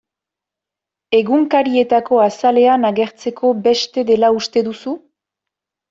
Egunkarietako azalean agertzeko beste dela uste duzu?